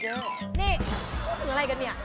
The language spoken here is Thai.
นี่อะไรกันเนี่ย